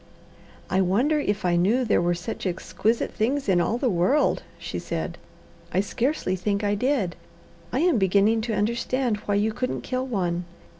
"I wonder if I knew there were such exquisite things in all the world," she said. "I scarcely think I did. I am beginning to understand why you couldn't kill one.